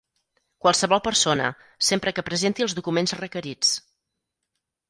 Qualsevol persona, sempre que presenti els documents requerits.